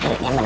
ngeri ya mbak